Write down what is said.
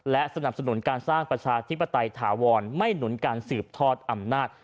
และสนับสนุนการสร้างประชาธิปไตยถาวรไม่หนุนการสืบทอดอำนาจ